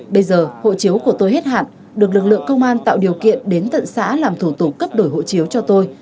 bây giờ hộ chiếu của tôi hết hạn được lực lượng công an tạo điều kiện đến tận xã làm thủ tục cấp đổi hộ chiếu cho tôi